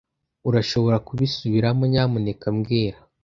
Urashobora kubisubiramo, nyamuneka mbwira